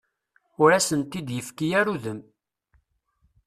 Ur asent-d-yefki ara udem.